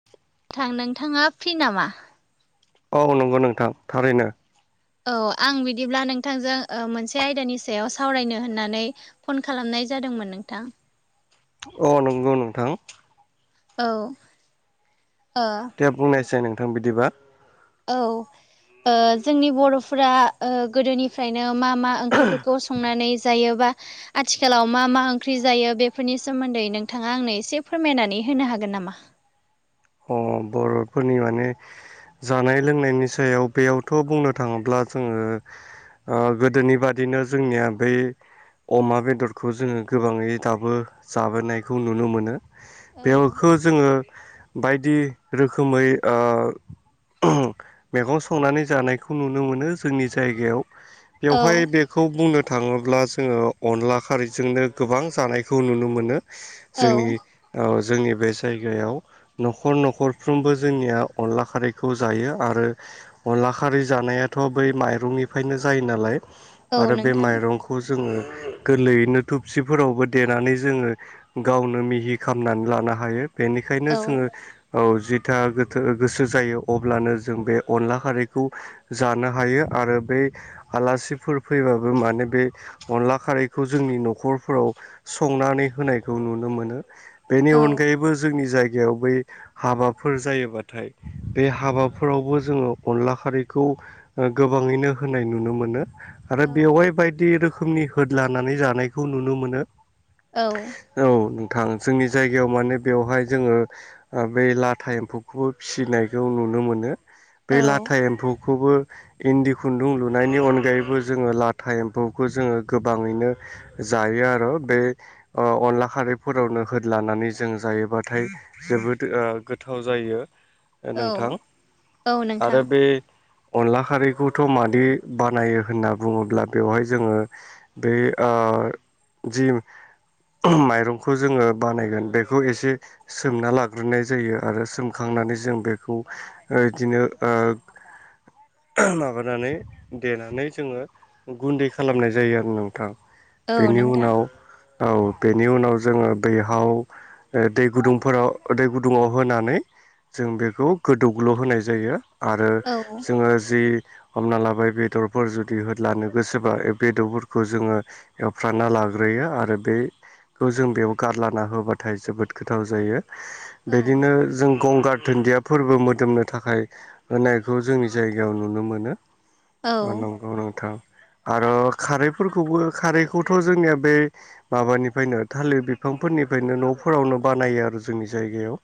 [unintelligible] नोंथां, नोंथाङा फ्रि नामा? औ नंगौ नोंथां थारैनो। औ आं बिदिब्ला नोंथांजों मोनसे आयदानि सायाव सावरायनो होननानै फन खालामनाय जादोंमोन नोंथां। अ नंगौ नोंथां? औ ओ। दे बुंनायसाय नोंथां बिदिबा। औ जोंनि बर'फोरा गोदोनिफ्रायनो मा मा ओंख्रिफोरखौ संनानै जायो बा आथिखालाव मा मा ओंख्रि जायो बेफोरनि सोमोन्दै नोंथाङा आंनो एसे फोरमायनानै होनो हागोन नामा? अह बर'फोरनि माने जानाय लोंनायनि सायाव बेयावथ' बुंनो थाङोब्ला जोङो गोदोनि बादिनो जोंनिया बै अमा बेदरखौ जोङो गोबाङै दाबो जाबोनायखौ नुनो मोनो। औ बेखौ जोङो बायदि रोखोमै मैगं संनानै जानायखौ नुनो मोनो जोंनि जायगायाव औ बेवहाय बे खौ बुंनो थाङोब्ला जोङो अनला खारैजोंनो गोबां जानायखौ नुनो मोनो। औ जोंनि जोंनि बे जायगायाव नखर न'खरफ्रोमबो जोंनिया अनला खारैखौ जायो आरो अनला खारै जानायाथ' बै माइरंनिफ्रायनो जायो नालाय औ आरो बे नोंथां माइरं खौ जोङो गोरलैयैनो थुबसिफोरावबो देनानै जोङो गावनो मिहि खालामनानै लानो हायो बेनिखायनो औ जोङो औ जिथा गोथ गोसो जायो अब्लानो जों बे अनला खारैखौ जानो हायो आरो बै आलासिफोर फैबाबो माने बे अनला खारैखौ जोंनि न'खरफोराव संनानै होनायखौ नुनो मोनो। बेनि औ अनगायैबो जोंनि जायगायाव बै हाबाफोर जायोबाथाय बे हाबाफोरावबो जोङो अनला खारैखौ ओ गोबाङैनो होनाय नुनो मोनो। आरो औ बेवहाय बायदि रोखोमनि होदलानानै जानायखौ नुनो मोनो। औ औ नोंथां जोंनि जायगायाव माने बेवहाय जोङो ओ बेै लाथा एम्फौखौबो फिसिनायखौ नुनो मोनो बे औ लाथा एम्फौ खौबो इन्दि खुन्दुं लुनायनि अनगायैबो जोङो लाथा एम्फौखौ जोङो गोबाङैनो जायो आरो बे अनला खारैफोरावनो होद लानानै जों जायोबाथाय जोबोद गोथाव जायो औ नोंथां औ नोंथां आरो बे अनला खारैखौथ' मादि बानायो होनना बुङोब्ला बेवहाय जोङो बे ओ जि माइरंखौ जोङो बानायगोन बेखौ एसे सोमना लाग सग्रोनाय जायो आरो औ सोमखांनानै जों बेखौ बिदिनो माबानानै देनानै जोङो गुन्दै खालामनाय जायो आरो नोंथां। औ बेनि नोंथां उनाव औ बेनि उनाव जोङो बैहाव दै गुदुंफोराव दै गुदुङाव होनानै जों बेखौ गोदौग्लु होनाय जायो‌ आरो औ जोङो जि हमना लाबाय बेदरफोर जुदि होदलानो गोसोबा बेदरफोरखौ जोङो एवफ्राना लाग्रोयो आरो बे खौ जों बेयाव गारला होबाथाय जोबोद गोथाव जायो। बिदिनो औ जों गंगार धोनदिया फोरबो मोदोमनो थाखाय होनायखौ जोंनि जायगायाव नुनो मोनो। औ नंगौ नोंथां आरो खारैफोरखौबो खारैखौथ' जोंनिया बे माबानिफ्रायनो थालिर बिफांफोरनिफ्रायनो न'फोरावनो बानायो आरो। जोंनि जायगायाव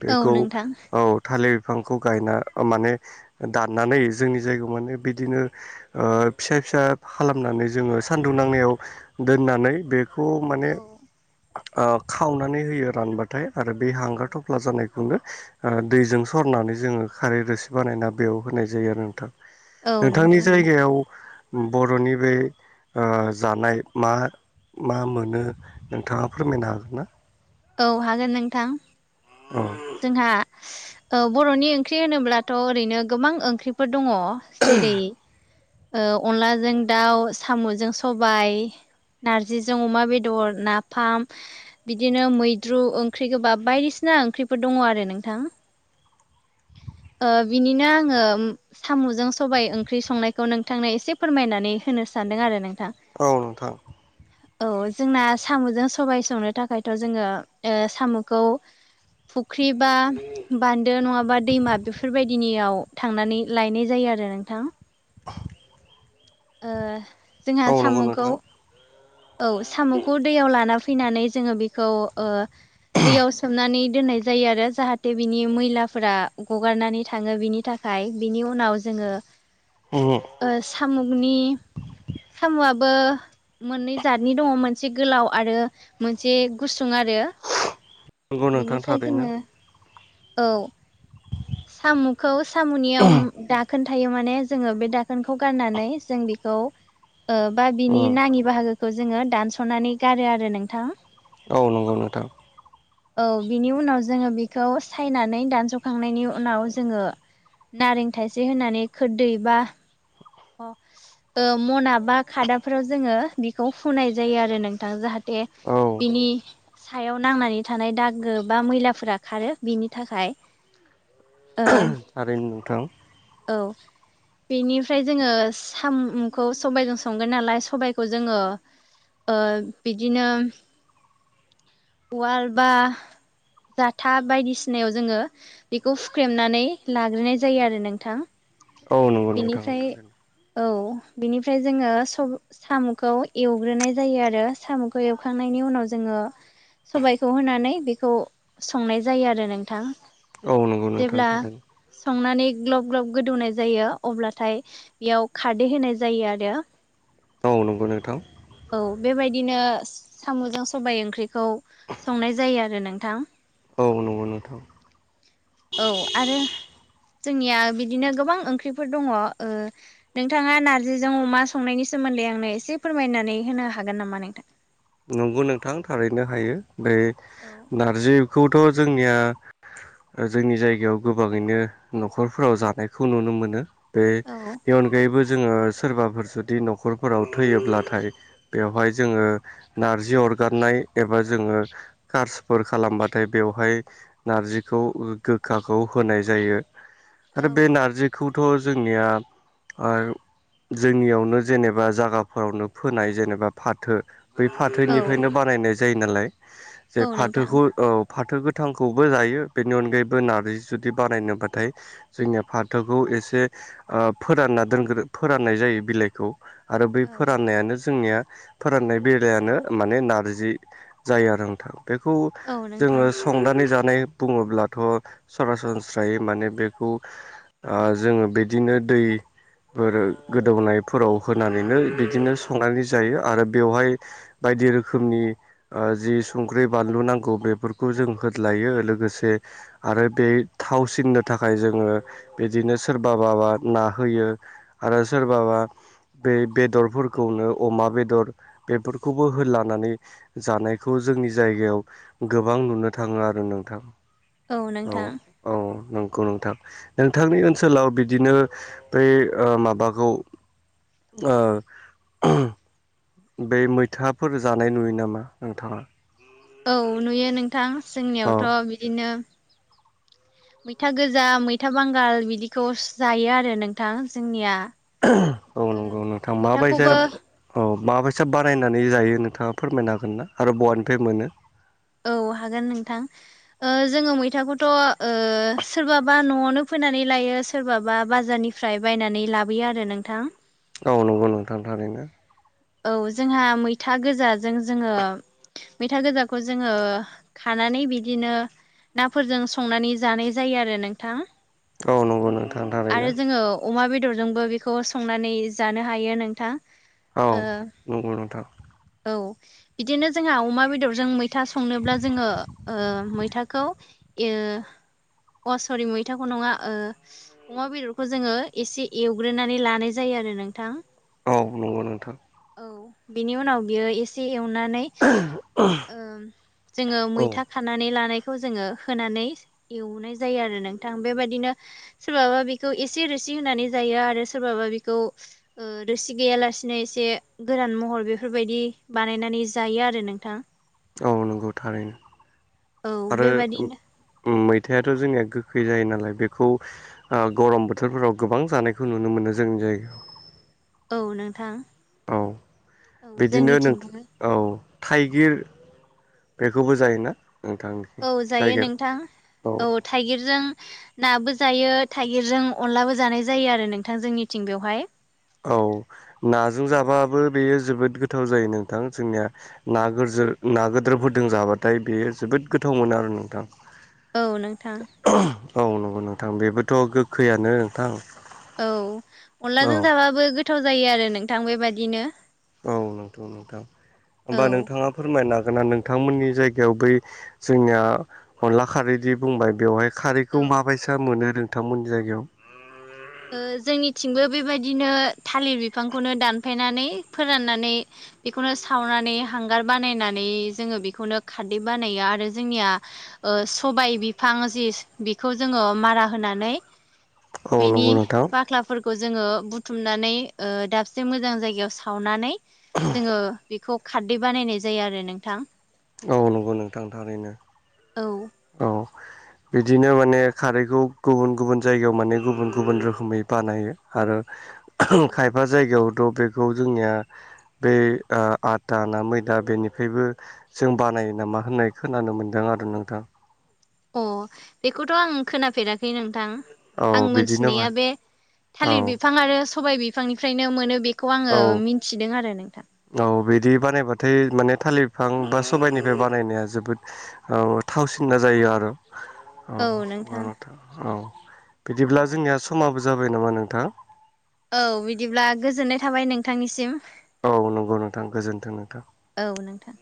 बेखौ नोंथां औ थालिर बिफांखौ गायना माने दाननानै जोंनि जायगायाव माने बिदिनो ओ फिसा-फिसा खालामनानै जोङो सान्दुं नांनायाव दोननानै बे खौ माने खावनानै होयो रानबाथाय। आरो बे हांगार थफ्ला जानायखौनो ओ दैजों सरनानै जोङो खारै रोसि बानायना बेयाव होनाय जायो आरो नोंथां। औ नोंथांनि नोंथां जायगायाव बर'नि बे ओ जानाय मा मा मोनो नोंथाङा फोरमायनो हागोन ना? औ हागोन नोंथां। ओ। जोंहा ओ बर'नि ओंख्रि होनोब्लाथ' ओरैनो गोबां ओंख्रिफोर दङ। जेरै अनलाजों दाउ, साम'जों सबाय नारजिजों अमा बेदर, नाफाम, बिदिनो मैद्रु ओंख्रि गोबाब बायदिसिना ओंख्रिफोर दङ आरो नोंथां। बिनिनो आङो सामुजों सबाय ओंख्रि संनायखौ नोंथांनो एसे फोरमायनानै होनो सानदों आरो नोंथां। औ नोंथां। औ जोंना साम'जों सबाय संनो थाखायथ' जोङो ओ साम'खौ फुख्रि बा बान्दो नङाबा दैमा बेफोरबायदिनियाव थांनानै लायनाय जायो आरो नोंथां। [inaudible] ओ जोंहा औ नंगौ साम'खौ नोंथां औ साम'खौ दैयाव लाना फैनानै जोङो बेखौ ओ दैयाव सोमनानै दोननाय जायो आरो जाहाथे बिनि मैलाफोरा गगारनानै थाङो बिनि था खाय बिनि उनाव जोङो [unintelligible] ओ साम'नि साम'आबो मोननै जतनि दङ मोनसे गोलाव आरो मोनसे गुसुं आरो। नंगौ नोंथां बेनिफ्राय थारैनो जोङो औ। साम'खौ साम'नियाव दा खोनथायो माने जोङो बे दाखोनखौ गारनानै जों बेखौ ओ बा उम बेनि नाङि बाहागोखौ जोङो दानस'नानै गारो आरो नोंथां। औ नंगौ नोंथां। औ बिनि उनाव जोङो बेखौ सायनानै दानस'खांनायनि उनाव जोङो नारें थाइसे होनानै खोरदै बा अ मनाबा खादाफोराव जोङो बेखौ फुनाय जायो आरो नोंथां। जाहा दे औ बिनि सायाव नांनानै थानाय दागो बा मैलाफोरा खारो बिनि थाखाय थारैनो नोंथां। औ बेनि फ्राय जोङो साम'खौ सबायजों संगोन नालाय सबायखौ जोङो ओ‌ बिदिनो उवाल बा जाथा बायदिसिनायाव जोङो बेखौ हुख्रेमनानै लाग्रोनाय जायो आरो नोंथां। औ नंगौ नों फ्राय औ बिनिफ्राय जोङो स साम'खौ एवग्रोनाय जायो आरो। साम'खौ एवखांनायनि उनाव जोङो सबायखौ होनानै बेखौ संनाय जायो आरो नोंथां। औ नंगौ नोंथां जेब्ला थारैनो संनानै ग्लब-ग्लब गोदौनाय जायो अब्ला थाय बेयाव खारदै होनाय जायो आरो। औ नंगौ नोंथां। औ बेबायदिनो साम'जों सबाय ओंख्रिखौ संनाय जायो आरो नोंथां। औ नंगौ नोंथां। औ आरो जोंनिया बिदिनो गोबां ओंख्रिफोर दङ ओ नोंथाङा नार्जिजों अमा संनायनि सोमोन्दै आंनो एसे फोरमायनानै होनो हागोन नामा नोंथां? नंगौ नोंथां थारैनो हायो औ ओमफाय नारजिखौथ' जोंनिया ओ जोंनि जायगायाव गोबाङैनो न'खरफोराव जानायखौ नुनो मोनो। बे औ बेन अनगायैबो जोङो सोरबाफोर जुदि न'खरफोराव थैयोब्लाथाय बेवहाय जोङो नारजि अरगारनाय एबा जोङो कार्सफोर खालामबाथाय बेवहाय नारजिखौ गोखाखौ होनाय जायो आरो बे औ नारजि खौथ' जोंनिया आरो जोंनियावनो जेनेबा जागाफोरावनो फोनाय जेनेबा फाथो बै औ फाथोनिफ्रायनो बानायनाय जायो नालाय जे औ नोंथां फाथोखौ औ फाथो गोथांखौबो जायो बेनि अनगायैबो नारजि जुदि बानायनोबाथाय जोंनिया फाथोखौ एसे ओ फोरानना दोनग्रो फोराननाय जायो बिलाइखौ आरो बै औ फोराननायानो जोंनिया फोराननाय बेलायानो माने नारजि जायो आरो नोंथां बेखौ औ नोंथां जोङो संनानै जानाय बुङोब्लाथ' सरासनस्रायै माने बेखौ ओ जोङो बिदिनो दै फोरो गोदौनायफोराव होनानैनो बिदिनो संनानै जायो आरो बेवहाय बायदि रोखोमनि ओ‌ जि संख्रि बानलु नांगौ बेफोरखौ जों होदलायो लोगोसे आरो बे थावसिननो थाखाय जोङो बिदिनो सोरबा बाबा ना होयो आरो सोरबाबा बेै बेदरफोरखौनो अमा बेदर बेफोरखौबो होदलानानै जानायखौ जोंनि जायगायाव गोबां नुनो थाङो आरो नोंथां औ औ नंगौ नोंथां नोंथांनि ओनसोलाव बिदिनो बै ओ माबाखौ ओ बै मैथाफोर जानाय नुयो नामा नोंथाङा औ नुयो नोंथां औ जोंनियावथ' बिदिनो मैथा गोजा मैथा बांगाल बिदिखौ जायो आरो नोंथां जोंनिया औ ओ नंगौ नोंथां मैथाखौबो माबायजाब औ माबाबैसा बानायनानै जायो नोंथाङा फोरमायनो हागोन ना आरो बहानिफ्राय मोनो औ हागोन नोंथां ओ जोङो मैथाखौथ' ओ सोरबाबा न'आवनो फोनानै लायो सोरबाबा बाजारनि फ्राय बायनानै लाबोयो आरो नोंथां औ नंगौ नोंथां थारैनो औ जोंहा मैथा गोजाजों जोङो मैथा गोजाखौ जोङो खानानै बिदिनो नाफोरजों संनानै जानाय जायो आरो नोंथां औ नंगौ नोंथां थारैनो आरो जोङो अमा बेदरजोंबो बेखौ संनानै जानो हायो नोंथां औ ओ नंगौ नोंथां औ बिदिनो जोंहा अमा बेदरजों मैथा मैथा संनोब्ला जोङो ओ मैथाखौ अ सरि मैथाखौ नङा ओ अमा बेदरखौ जोङो एसे एवग्रोनानै लानाय जायो आरो नोंथां औ नंगौ नोंथां औ बेनि उनाव बियो एसे एवनानै ओम जोङो औ मैथा खानानै लानायखौ जोङो होनानै एवनाय जायो आरो नोंथां बेबायदिनो सोरबाबा बेखौ एसे रोसि होनानै जायो आरो सोरबाबा बेखौ ओ रोसि गैयालासिनो एसे गोरान महर बेफोरबायदि बानायनानै जायो आरो नोंथां औ नंगौ थारैनो औ आरो बेबादिनो उम मैथायाथ' जोंनिया गोखै जायो नालाय बेखौ ओ गरम बोथोरफोराव गोबां जानायखौ नुनो मोनो जोंनि जायगायाव औ नोंथां औ औ बिदिनो नों जोंनिथिंबो औ थाइगिर बेखौबो जायोना नोंथां। औ जायो नोंथां औ थाइगिरजों नाबो जायो थाइगिरजों अनलाबो जानाय जायो आरो नोंथां जोंनिथिं बेवहाय। औ नाजों औ जाबाबो बेयो जोबोद गोथाव जायो नोंथां जोंनिया ना औ गोजो ना गोदोरफोरदों जाबाथाय बेयो जोबोद गोथाव मोनो आरो नोंथां। औ नोंथां। औ नंगौ नोंथां बेबोथ' गोखैयानो नोंथां। औ औ अनलाजों जाबाबो गोथाव जायो आरो नोंथां बेबादिनो औ नोंथां नोंथां औ होमबा औ नोंथाङा फोरमायनो हागोना नोंथांमोननि जायगायाव बै जोंनिया अनला खारैदि बुंबाय बेवहाय ओ खारैखौ माबायसा मोनो नोंथांमोननि जायगायाव? ओ जोंनिथिंबो बेबायदिनो थालिर बिफांखौनो दानफायनानै फोराननानै। बेखौनो सावनानै हांगार बानायनानै जोङो बेखौनो खारदै बानायो आरो जोंनिया ओ सबाय बिफां जि बिखौ जोङो मारा होनानै औ बेनि नंगौ नोंथां बाख्लाफोरखौ जोङो बुथुमनानै ओ दाबसे मोजां जायगायाव सावनानै जोङो बेखौ खारदै बानायनाय जायो आरो नोंथां। औ नंगौ नोंथां थारैनो। औ औ बिदिनो माने खारैखौ गुबुन गुबुन जायगायाव माने गुबुन गुबुन रोखोमै बानायो आरो [inaudible] खायफा जायगायावथ' बेखौ जोंनिया बे ओ आथा ना मैदा बेनिफ्रायबो जों बानायो नामा होननाय खोनानो मोन्दों आरो नोंथां। अ बेखौथ' आं खोनाफेराखै नोंथां। औ आं बिदिनो मोनथिनाया बे औ थालिर औ बिफां आरो सबाय बिफांनिफ्रायनो मोनो बे खौ आङो मिथिदों आरो नोंथां। औ बिदि बानायबाथाय माने थालिर बिफां बा सबायाइनिफ्राय बानायनाया जोबोद औ थावसिनना जायो आरो। औ उम नोंथां ओं औ बिदिब्ला जोंनिया समाबो जाबाय नामा नोंथां? औ बिदिब्ला गोजोननाय थाबाय नोंथांनिसिम। औ नंगौ नोंथां गोजोन्थों नोंथां। औ नोंथां।